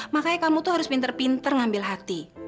makanya kamu tuh harus pinter pinter ngambil hati